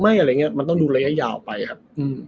ไม่มันต้องดูระยะยาวไปครับ